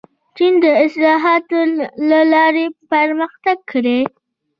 چین د اصلاحاتو له لارې پرمختګ کړی.